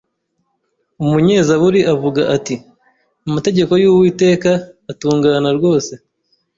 Umunyezaburi avuga ati: “Amategeko y’Uwiteka atungana rwose”